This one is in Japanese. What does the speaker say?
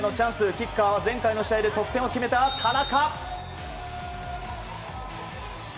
キッカーは前回の試合で得点を決めた田中。